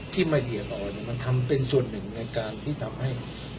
ที่มาเหยียบออกมันทำเป็นส่วนหนึ่งในการที่ทำให้